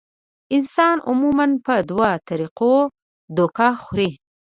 انسان عموماً پۀ دوه طريقو دوکه خوري -